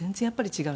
違う。